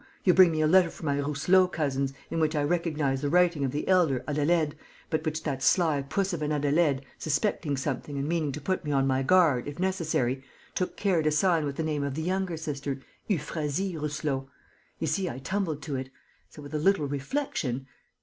You bring me a letter from my Rousselot cousins, in which I recognize the writing of the elder, Adelaide, but which that sly puss of an Adelaide, suspecting something and meaning to put me on my guard, if necessary, took care to sign with the name of the younger sister, Euphrasie Rousselot. You see, I tumbled to it! So, with a little reflection